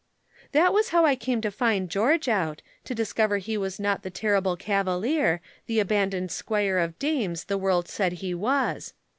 "That was how I came to find George out, to discover he was not the terrible cavalier, the abandoned squire of dames the world said he was.